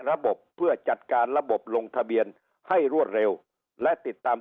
ระบบเพื่อจัดการระบบลงทะเบียนให้รวดเร็วและติดตาม